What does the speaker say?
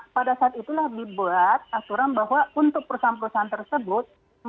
pada saat itulah dibuat aturan bahwa untuk perusahaan perusahaan tersebut